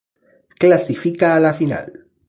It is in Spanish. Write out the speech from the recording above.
Clasifica a la final.